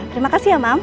terima kasih ya mam